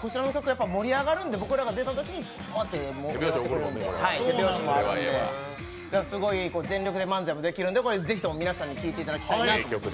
こちらの曲、やっぱり盛り上がるんで、僕らが出たときに手拍子もあるんで、すごい全力で漫才ができるんでぜひとも皆さんに聴いていただきたいなと。